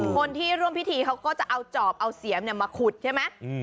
คนที่ร่วมพิธีเขาก็จะเอาจอบเอาเสียมมาขุดใช่ไหม